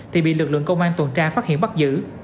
thì bị lực lượng công an tuần tra phát hiện bắt giữ